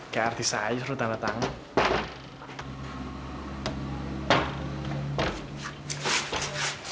kayak artis aja suruh tanda tangan